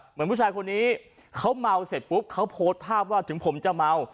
เหมือนผู้ชายคนนี้เขาเมาเสร็จปุ๊บเขาโพสต์ภาพว่าถึงผมจะเมา